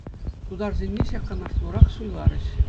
Тутарсенне ҫак канашлурах суйларӗҫ.